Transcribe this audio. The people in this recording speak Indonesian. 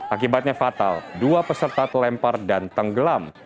akibatnya fatal dua peserta terlempar dan tenggelam